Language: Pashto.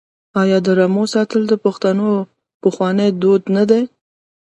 آیا د رمو ساتل د پښتنو پخوانی کسب نه دی؟